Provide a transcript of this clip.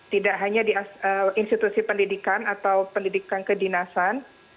tidak hanya di institusi pendidikan atau pendidikan kedinasan